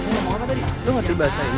lu ngerti bahasa ini